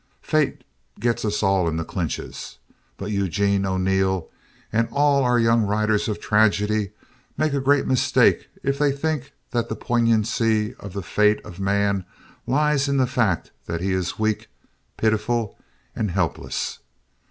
Fate gets us all in the clinches, but Eugene O'Neill and all our young writers of tragedy make a great mistake if they think that the poignancy of the fate of man lies in the fact that he is weak, pitiful and helpless.